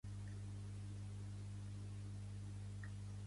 Altres plantes parasiten poques o només una espècie.